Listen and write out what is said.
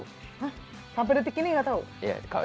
hah sampai detik ini nggak tau